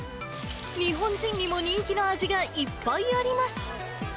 日本人にも人気の味がいっぱいあります。